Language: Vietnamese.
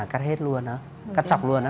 à cắt hết luôn hả cắt chọc luôn hả